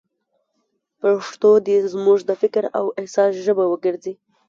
پښتو دې زموږ د فکر او احساس ژبه وګرځي.